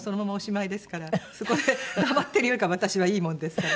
そこで黙ってるよりかは私はいいものですから。